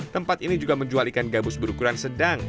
tempat ini juga menjual ikan gabus berukuran sedang